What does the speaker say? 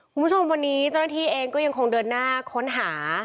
คุณผู้ชมวันนี้เจ้าหน้าที่เองก็ยังคงเดินหน้าค้นหา